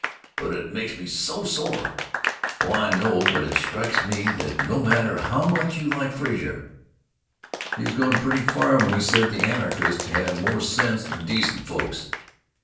"But it makes me so sore——" "Oh, I know, but it strikes me that no matter how much you like Frazer, he was going pretty far when he said that anarchists had more sense than decent folks."